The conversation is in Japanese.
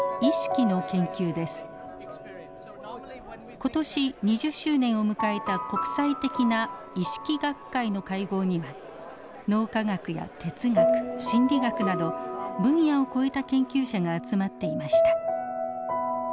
今年２０周年を迎えた国際的な意識学会の会合には脳科学や哲学心理学など分野を超えた研究者が集まっていました。